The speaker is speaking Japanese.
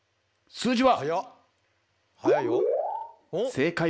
「数字は？